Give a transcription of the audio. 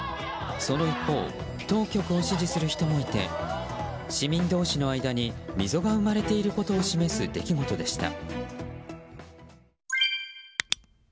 その一方、当局を支持する人もいて市民同士の間に溝が生まれていることを示す出来事でした。